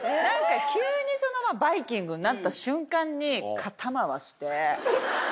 急にバイキングになった瞬間に肩回して。